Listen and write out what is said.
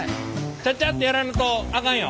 ちゃっちゃっとやらんとあかんよ。